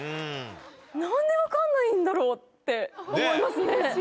何で分かんないんだろう？って思いますね。